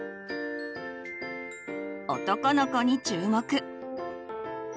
男の子に注目。